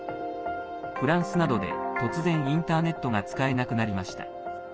フランスなどで突然、インターネットが使えなくなりました。